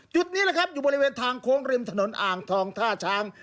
จุดนี้นะครับอยู่บริเวณทางโค้งริมถนนอ่างทองท่าช้าง